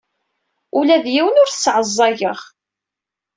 Ula d yiwen ur t-sseɛẓageɣ.